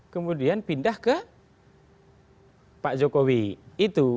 kemudian pindah ke pak jokowi itu